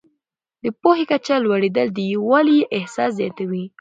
د پوهې کچه لوړېدل د یووالي احساس زیاتوي.